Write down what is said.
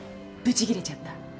ぶちギレちゃった？